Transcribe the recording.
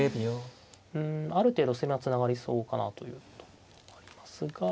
うんある程度攻めはつながりそうかなというところもありますが。